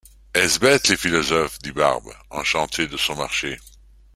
Est-ce bête, les philosophes ! dit Barbe, enchantée de son marché.